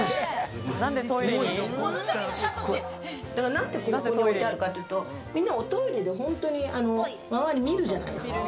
何でここに置いてあるかというと、みんなおトイレで本当に周り見るじゃないですか。